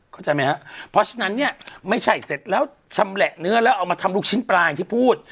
เข้าใจไหมครับเพราะฉะนั้นเนี่ยไม่ใช่เสร็จแล้วชำแหละเนื้อแล้วเอามาทำลูกชิ้นปลาอย่างที่พูด